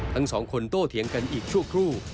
ทั้งสองคนโตเถียงกันอีกชั่วครู่